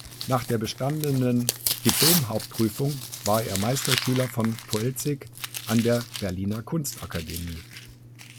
Nach der bestandenen Diplom-Hauptprüfung war er Meisterschüler von Poelzig an der Berliner Kunstakademie.